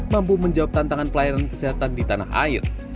mampu menjawab tantangan pelayanan kesehatan di tanah air